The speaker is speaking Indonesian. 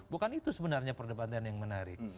bukan itu sebenarnya perdebatan yang menarik